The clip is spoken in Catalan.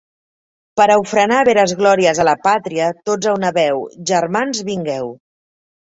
Per a ofrenar veres glòries a la pàtria, tots a una veu, germans vingueu.